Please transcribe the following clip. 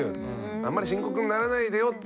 あんまり深刻にならないでよっていう。